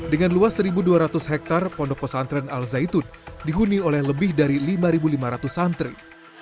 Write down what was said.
dengan luas satu dua ratus hektare pondok pesantren al zaitun dihuni oleh lebih dari lima lima ratus santri